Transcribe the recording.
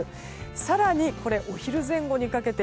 更にお昼前後にかけて